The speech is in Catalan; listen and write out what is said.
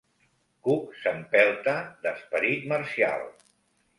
Cook s'empelta d'esperit marcial.